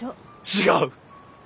違う！